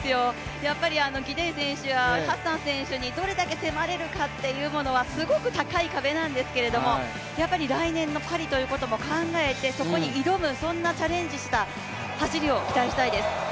ギデイ選手やハッサン選手にどれだけ迫れるかというのはすごく高い壁なんですけど、来年のパリということも考えてそこに挑む、そんなチャレンジした走りを期待したいです。